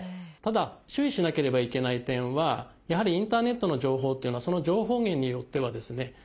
ただ注意しなければいけない点はやはりインターネットの情報っていうのはその情報源によってはですね